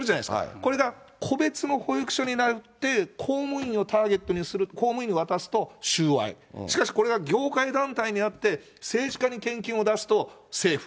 これが個別の保育所になって、公務員に渡すと、渡すと収賄、しかしこれが業界団体になって、政治家に献金を出すとセーフ。